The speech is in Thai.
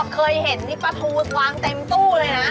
เคยเห็นนี่ปลาทูวางเต็มตู้เลยนะ